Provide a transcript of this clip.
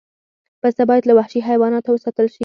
پسه باید له وحشي حیواناتو وساتل شي.